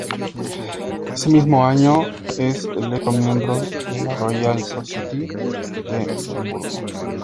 Ese mismo año, es electo miembro de la Royal Society de Edimburgo.